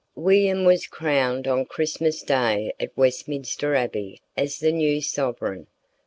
] William was crowned on Christmas Day at Westminster Abbey as the new sovereign.